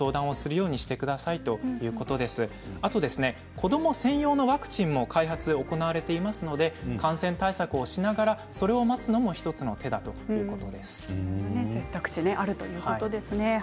子ども専用のワクチンも開発が行われているので感染対策をしながら、それを待つのも１つの手だということでした。